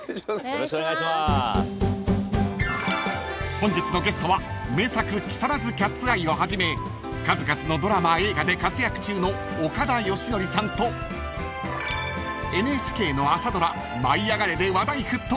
［本日のゲストは名作『木更津キャッツアイ』をはじめ数々のドラマ映画で活躍中の岡田義徳さんとＮＨＫの朝ドラ『舞いあがれ！』で話題沸騰！］